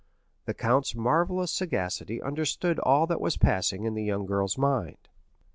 The count's marvellous sagacity understood all that was passing in the young girl's mind.